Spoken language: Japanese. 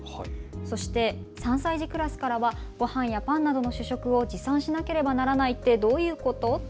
そして３歳児クラスからはごはんやパンなどの主食を持参しなければならないってどういうこと？